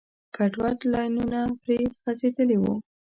ګډوډ لاینونه پرې غځېدلي وو.